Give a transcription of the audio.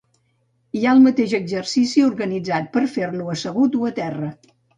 Hi ha el mateix exercici organitzat per fer-lo assegut a terra.